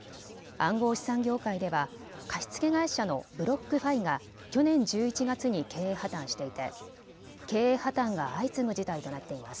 暗号資産業界では貸し付け会社のブロックファイが去年１１月に経営破綻していて経営破綻が相次ぐ事態となっています。